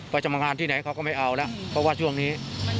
จะมางานที่ไหนเขาก็ไม่เอาแล้วเพราะว่าช่วงนี้